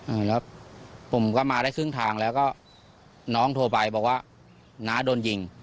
อ่าแล้วผมก็มาได้ครึ่งทางแล้วก็น้องโทรไปบอกว่าน้าโดนยิง